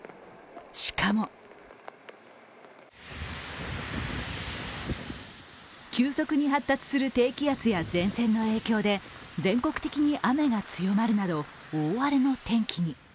しかも急速に発達する低気圧や前線の影響で全国的に雨が強まるなど大荒れの天気に。